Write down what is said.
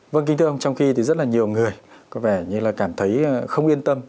vâng kính thưa ông trong khi thì rất là nhiều người có vẻ như là cảm thấy không yên tâm